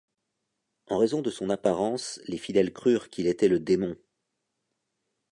En raison de son apparence, les fidèles crurent qu'il était le démon.